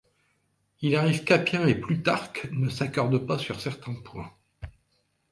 Il arrive qu'Appien et Plutarque ne s'accordent pas sur certains points.